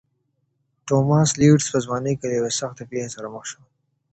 توماس لېډز په ځوانۍ کې له یوې سختې پېښې سره مخ شو.